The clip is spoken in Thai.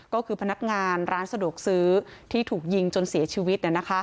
ก็คือพนักงานร้านสะดวกซื้อที่ถูกยิงจนเสียชีวิต